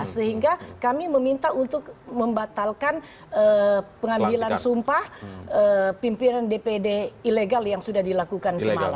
sehingga kami meminta untuk membatalkan pengambilan sumpah pimpinan dpd ilegal yang sudah dilakukan semalam